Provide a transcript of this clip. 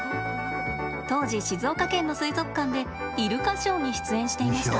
当時、静岡県の水族館でイルカショーに出演していました。